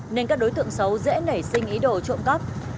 nên các đối tượng xấu dễ nảy sinh ý đồ trộm cắp